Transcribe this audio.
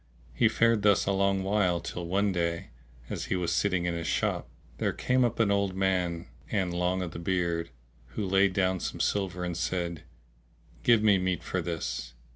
He fared thus a long while, till one day, as he was sitting in his shop, there came up an old man and long o' the beard, who laid down some silver and said, "Give me meat for this."